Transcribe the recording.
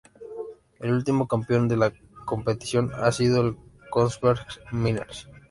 El último campeón de la competición ha sido el Kongsberg Miners.